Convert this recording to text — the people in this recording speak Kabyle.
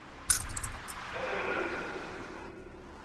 Ad t-amnent?